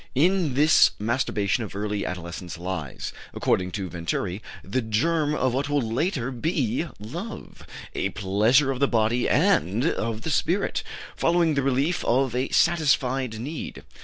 In this masturbation of early adolescence lies, according to Venturi, the germ of what will later be love: a pleasure of the body and of the spirit, following the relief of a satisfied need.